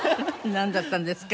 なんだったんですか？